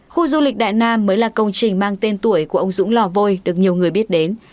khu du lịch đại nam mới là công trình mang tên tuổi của ông dũng lò vôi được nhiều người biết đến